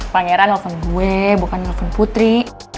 pangeran telepon gue bukan telepon putri